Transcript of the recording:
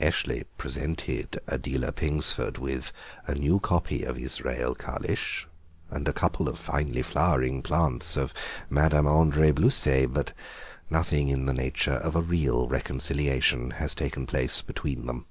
Eshley presented Adela Pingsford with a new copy of "Israel Kalisch," and a couple of finely flowering plants of Madame Adnré Blusset, but nothing in the nature of a real reconciliation has taken place between them.